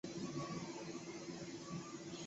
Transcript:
葡萄状肉瘤中被检查出。